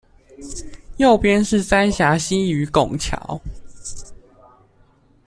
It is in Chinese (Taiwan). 右邊是三峽溪與拱橋